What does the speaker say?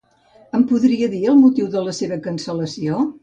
Em podria dir el motiu de la seva cancel·lació?